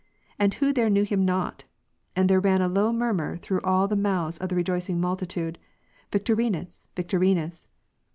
And who there knew him not ? and there ran a low murmur through all the mouths of the rejoicing mviltitude, Victorinus ! Victorinus